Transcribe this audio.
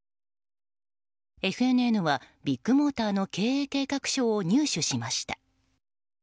ＦＮＮは、ビッグモーターの経営計画書を入手しました。